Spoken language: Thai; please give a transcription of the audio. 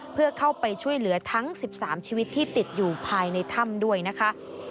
เพื่อเข้าไปช่วยเหลือทั้ง๑๓ชีวิตที่ติดอยู่ภายในถ้ำด้วยนะคะ